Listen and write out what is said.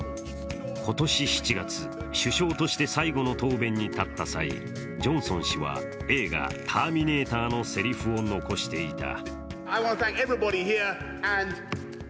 今年７月、首相として最後の答弁に立った際、ジョンソン氏は映画「ターミネーター」のせりふを残していた。